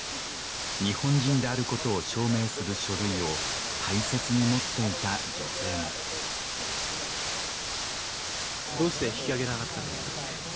日本人であることを証明する書類を大切に持っていた女性もどうして引き揚げなかったんですか？